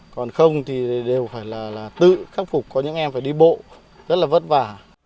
còn không thì đều phải là tự khắc phục có những em phải đi bộ rất là vất vả